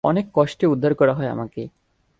অনেক কষ্টে উদ্ধার করা হয় আমাকে।